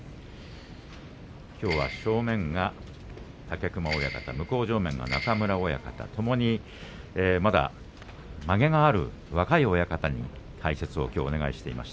きょうは正面が武隈親方向正面が中村親方、ともにまだ、まげがある若い親方に解説をお願いしています。